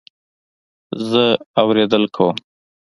زه اورېدل کوم